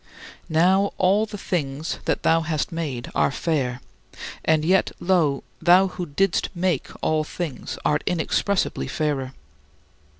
28. Now all the things that thou hast made are fair, and yet, lo, thou who didst make all things art inexpressibly fairer.